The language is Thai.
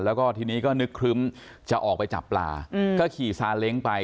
แล้วก็นึกครึมจะออกไปจับปลาก็ขี่ซาเล้งไป